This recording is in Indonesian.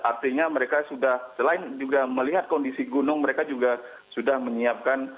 artinya mereka sudah selain juga melihat kondisi gunung mereka juga sudah menyiapkan